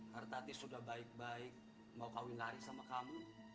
hartati sudah baik baik mau kawin lari sama kamu